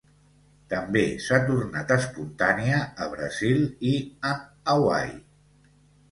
També s'ha tornat espontània a Brasil i en Hawaii.